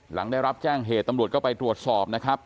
หลังได้รับแจ้งเหตุตำรวจก็ไปตรวจสอบนะครับ